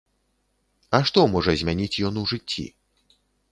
А што можа змяніць ён у жыцці?